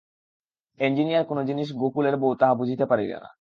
Engineer কোন জিনিস গোকুলের বউ তাহা বুঝিতে পারিল না।